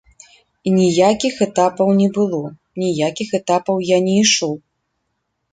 І ніякіх этапаў не было, ніякіх этапаў я не ішоў.